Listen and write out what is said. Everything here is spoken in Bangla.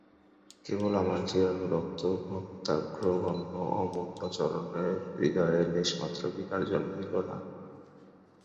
কেবল আমার চিরানুরক্ত ভক্তাগ্রগণ্য অমূল্যচরণের হৃদয়ে লেশমাত্র বিকার জন্মিল না।